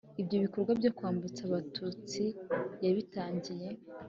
Ibyo bikorwa byo kwambutsa Abatutsi yabitangiye